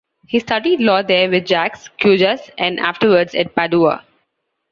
He studied law there with Jacques Cujas, and afterwards at Padua.